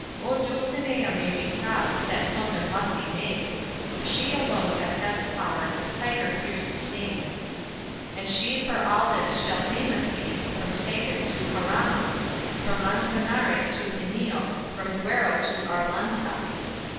O Dulcinea may be proud, That plump and lusty maid; For she alone hath had the power A tiger fierce to tame. And she for this shall famous be From Tagus to Jarama, From Manzanares to Genil, From Duero to Arlanza.